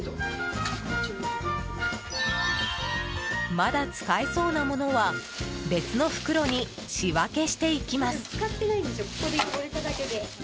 まだ使えそうなものは別の袋に仕分けしていきます。